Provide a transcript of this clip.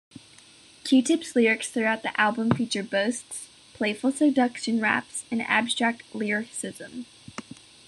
Q-Tip's lyrics throughout the album feature boasts, playful seduction raps, and abstract lyricism.